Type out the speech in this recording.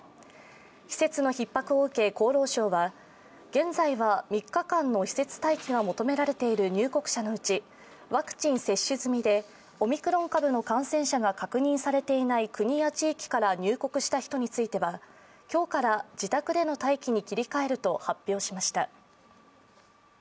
施設のひっ迫を受け、厚労省は現在は３日間の施設待機が求められている入国者のうちワクチン接種済みでオミクロン株の感染者が確認されていない国や地域から入国した人については、今日から自宅での待機に切り替えると発表しました。